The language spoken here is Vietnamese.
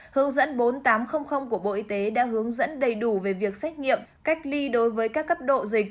hướng dẫn bốn nghìn tám trăm linh của bộ y tế đã hướng dẫn đầy đủ về việc xét nghiệm cách ly đối với các cấp độ dịch